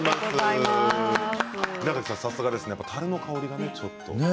たるの香りがちょっと。